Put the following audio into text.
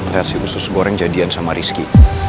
lihat si usus goreng jadian sama rizky